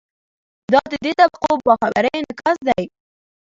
دا د دې طبقو باخبرۍ انعکاس دی.